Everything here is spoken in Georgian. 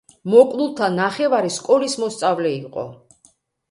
მოკლულთა ნახევარი სკოლის მოსწავლე იყო.